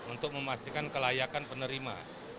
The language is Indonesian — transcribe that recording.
untuk memastikan kelayakan penerima